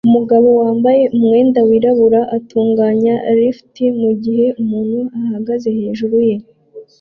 Umugabo wambaye umwenda wirabura utunganya lift mugihe umuntu ahagaze hejuru ye